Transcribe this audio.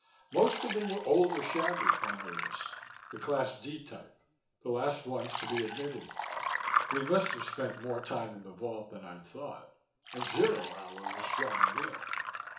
Most of them were old or shabby, I noticed. The class D type. The last ones to be admitted. We must have spent more time in the vault than I'd thought, and zero hour was drawing near.